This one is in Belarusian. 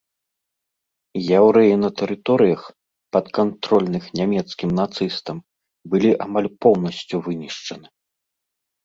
Яўрэі на тэрыторыях, падкантрольных нямецкім нацыстам, былі амаль поўнасцю вынішчаны.